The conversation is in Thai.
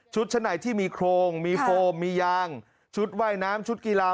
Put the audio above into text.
ชั้นในที่มีโครงมีโฟมมียางชุดว่ายน้ำชุดกีฬา